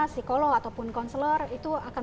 psikolog ataupun konselor itu akan